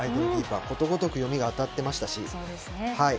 ことごとく読みが当たっていましたし。